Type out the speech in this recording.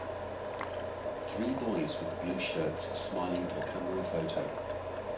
Three boys with blue shirts smiling for camera photo.